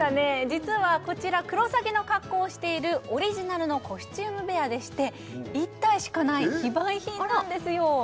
実はこちらクロサギの格好をしているオリジナルのコスチュームベアでして１体しかない非売品なんですよ